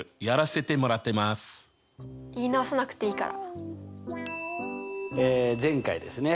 言い直さなくていいから。え前回ですね